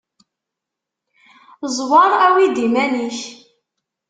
Ẓwer awi-d iman-ik.